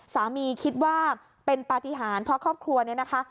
คิดว่าเป็นปฏิหารเพราะครอบครัวเนี่ยนะคะ